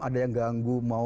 ada yang ganggu